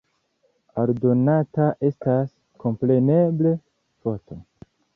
Aldonata estas, kompreneble, foto.